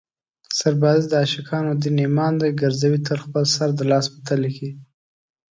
سربازي د عاشقانو دین ایمان دی ګرزوي تل خپل سر د لاس تلي کې